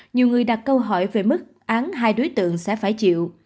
nhiều người đặt câu hỏi về mức án hai đối tượng sẽ phải chịu